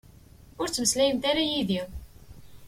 Ur ttmeslayemt ara yid-i.